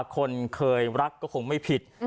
คนเคยรักก็คงไม่ผิด